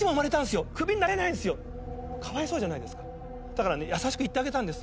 だからね優しく言ってあげたんです。